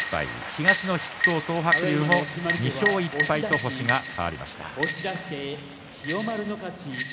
東の筆頭、東白龍も２勝１敗と星が変わりました。